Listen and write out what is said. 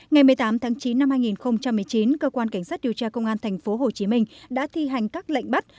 ngày một mươi tám tháng chín năm hai nghìn một mươi chín cơ quan cảnh sát điều tra công an thành phố hồ chí minh đã thi hành các lệnh bắt